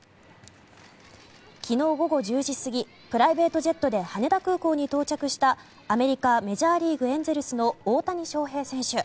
昨日午後１０時過ぎプライベートジェットで羽田空港に到着したアメリカ、メジャーリーグエンゼルスの大谷翔平選手。